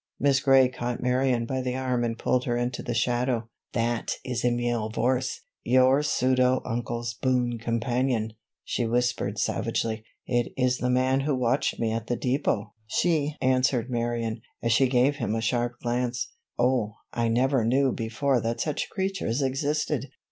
Miss Gray caught Marion by the arm and pulled her into the shadow. "That is Emile Vorse—your pseudo uncle's boon companion," she whispered savagely. "It is the man who watched me at the depot," answered Marion, as she gave him a sharp glance. "Oh, I never knew before that such creatures existed!"